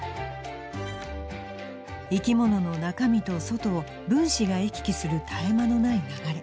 生き物の中身と外を分子が行き来する絶え間のない流れ。